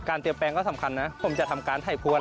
เตรียมแปลงก็สำคัญนะผมจะทำการถ่ายพวน